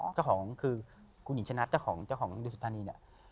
เจ้าของคือคุณหญิงชะนัดเจ้าของดุสิทธานี